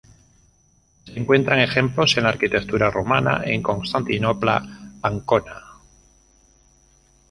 Se encuentran ejemplos en la arquitectura romana, en Constantinopla, Ancona...